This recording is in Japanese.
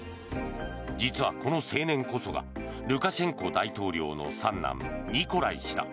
実はこの青年こそがルカシェンコ大統領の三男ニコライ氏だ。